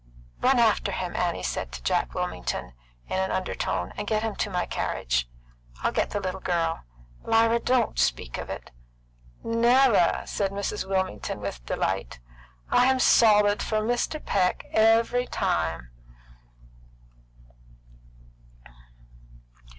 "Run after him!" Annie said to Jack Wilmington, in undertone, "and get him into my carriage. I'll get the little girl. Lyra, don't speak of it." "Never!" said Mrs. Wilmington, with delight. "I'm solid for Mr. Peck every time."